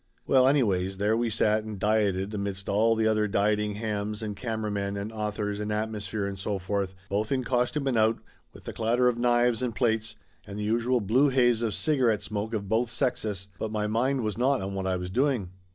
Well anyways, there we sat and dieted amidst all the other dieting hams and camera men and authors and atmosphere and so forth, both in costume and out, Laughter Limited 175 with the clatter of knives and plates and the usual blue haze of cigarette smoke of both sexes, but my mind was not on what I was doing.